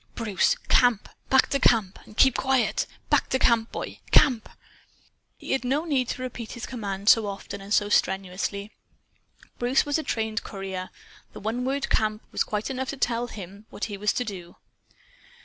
"Bruce! Camp! Back to CAMP! And keep QUIET! Back to camp, boy! CAMP!" He had no need to repeat his command so often and so strenuously. Bruce was a trained courier. The one word "Camp!" was quite enough to tell him what he was to do.